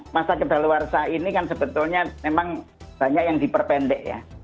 masa kedaluarsa ini kan sebetulnya memang banyak yang diperpendek ya